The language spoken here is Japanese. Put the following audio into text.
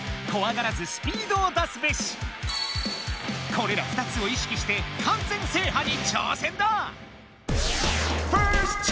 これら２つを意識して完全制覇に挑戦だ！